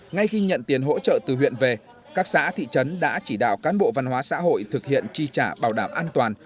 ngay khi nhận tiền hỗ trợ từ huyện về các xã thị trấn đã chỉ đạo cán bộ văn hóa xã hội thực hiện chi trả bảo đảm an toàn